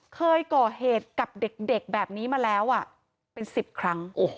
เคยก่อเหตุกับเด็กแบบนี้มาแล้วอ่ะ